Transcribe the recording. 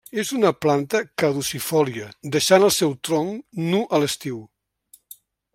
És una planta caducifòlia, deixant el seu tronc nu a l'estiu.